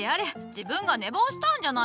自分が寝坊したんじゃないか。